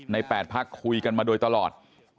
๘พักคุยกันมาโดยตลอด